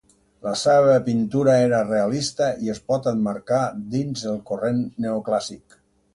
La seva pintura era realista i es pot emmarcar dins el corrent neoclàssic.